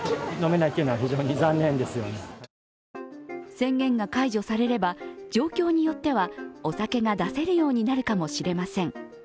宣言が解除されれば状況によってはお酒が出せるようになるかもしれません。